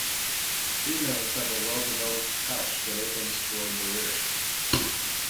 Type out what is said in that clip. Females have a well-developed pouch that opens toward the rear.